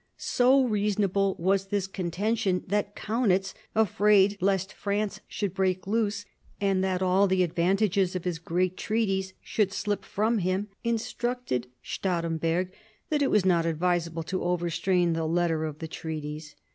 So reasonable was this contention, that Kaunitz, afraid lest France should break loose, and that all the advantages of his great treaties should slip from him, instructed Stahremberg that it was not advisable to overstrain the letter of the treaties.